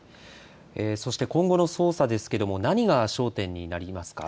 そして今後の捜査ですけれども何が焦点になりますか。